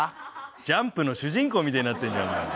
ジャンプの主人公みたいになってるんだ。